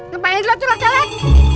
gapain lu celak celak